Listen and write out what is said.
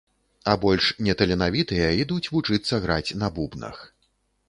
А больш неталенавітыя ідуць вучыцца граць на бубнах.